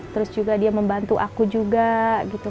terus juga dia membantu aku juga gitu